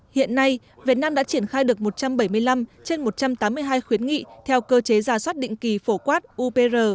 hiện nay việt nam đã triển khai được một trăm bảy mươi năm trên một trăm tám mươi hai khuyến nghị theo cơ chế giả soát định kỳ phổ quát upr